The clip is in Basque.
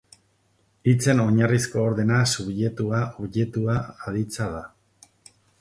Hitzen oinarrizko ordena subjektua-objektua-aditza da.